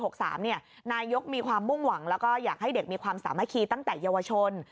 นายกมีความมุ่งหวังแล้วก็อยากให้เด็กมีความสามัคคีตั้งแต่เยาวชน